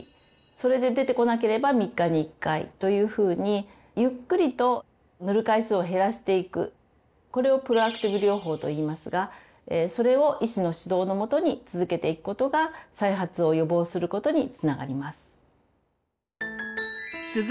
それで出てこなければ３日に１回というふうにゆっくりと塗る回数を減らしていくこれをプロアクティブ療法といいますがそれを医師の指導の下に続けていくことが再発を予防することにつながります。